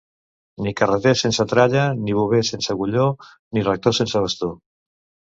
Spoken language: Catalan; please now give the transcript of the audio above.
Ni carreter sense tralla, ni bover sense agulló, ni rector sense bastó.